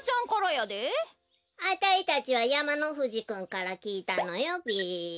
あたいたちはやまのふじくんからきいたのよべ。